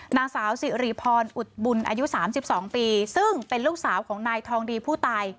นางสาวสิริพรอุดบุญอายุ๓๒ปีซึ่งเป็นลูกสาวของนายทองดีผู้ตาย